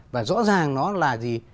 và rõ ràng nó là gì